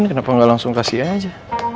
kenapa nggak langsung kasih aja